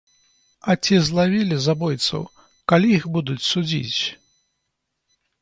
А ці злавілі забойцаў, калі іх будуць судзіць?